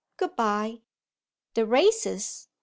Good bye." The races!